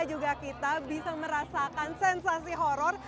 juga kita bisa merasakan sensasi horror